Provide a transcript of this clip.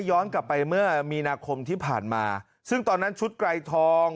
ย้อนกลับไปเมื่อมีนาคมที่ผ่านมาซึ่งตอนนั้นชุดไกรทอง